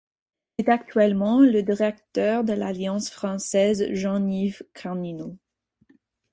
C'est actuellement le directeur de l'Alliance française, Jean-Yves Carnino.